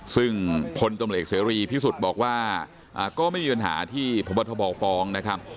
ซึ่งพลตำรวจเอกเสรีพิสุทธิ์บอกว่าก็ไม่มีปัญหาที่พบทบฟ้องนะครับ